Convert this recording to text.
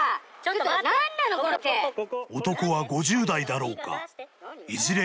男は５０代だろうかいずれ